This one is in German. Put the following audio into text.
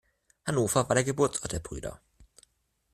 Hannover war der Geburtsort der Brüder.